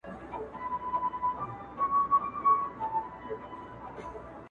كله كله به ښكار پاته تر مابين سو.!